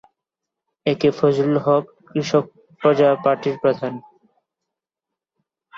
একে ফজলুল হক কৃষক প্রজা পার্টির প্রধান।